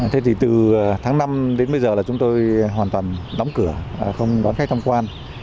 thế thì từ tháng năm đến bây giờ là chúng tôi hoàn toàn đóng cửa không đón khách tham quan